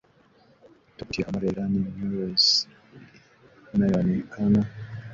Tovuti ya habari ya Iran Nournews inayoonekana